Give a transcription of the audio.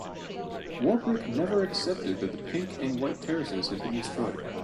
Warbrick never accepted that the Pink and White Terraces had been destroyed.